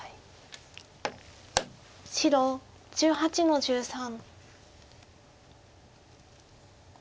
白１８の十三。